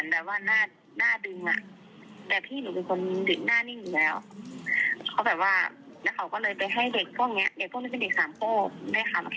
แต่ทำไมเขาบอกว่าคือคนในน้ำเยาะมันนี่แหละ